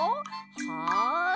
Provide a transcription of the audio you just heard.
はい！